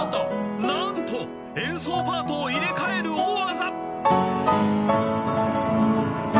何と演奏パートを入れ替える大技。